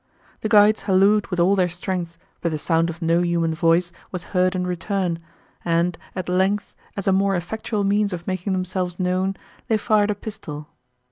The guides hallooed with all their strength, but the sound of no human voice was heard in return, and, at length, as a more effectual means of making themselves known, they fired a pistol.